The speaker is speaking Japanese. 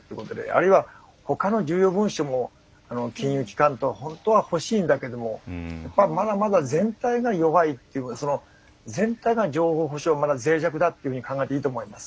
あるいは他の重要文書も金融機関等本当は欲しいんだけどもまだまだ全体が弱いっていうか全体の情報保障がまだぜい弱だというふうに考えていいと思います。